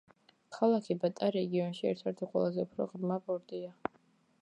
ქალაქი ბატა რეგიონში ერთ-ერთი ყველაზე უფრო ღრმა პორტია.